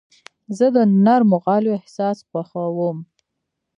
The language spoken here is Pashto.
زه د نرمو غالیو احساس خوښوم.